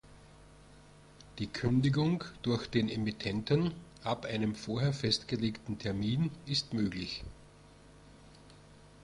Die Kündigung durch den Emittenten ab einem vorher festgelegten Termin ist möglich.